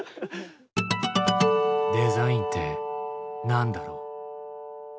「デザインって何だろう？」。